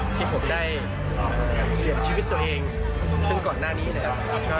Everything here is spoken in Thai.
ที่ผมได้เสียชีวิตตัวเองซึ่งก่อนหน้านี้นะครับ